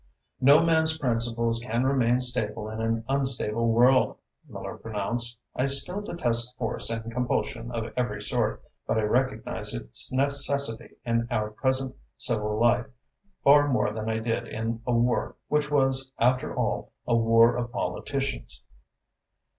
"No man's principles can remain stable in an unstable world," Miller pronounced. "I still detest force and compulsion of every sort, but I recognise its necessity in our present civil life far more than I did in a war which was, after all, a war of politicians."